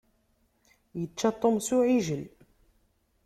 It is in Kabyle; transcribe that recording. Yečča Tom s uɛijel.